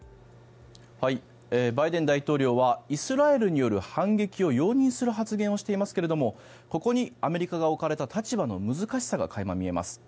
バイデン大統領はイスラエルによる反撃を容認する発言をしていますけれどもここにアメリカが置かれた立場の難しさが垣間見えます。